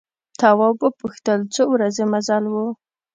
تواب وپوښتل څو ورځې مزل و.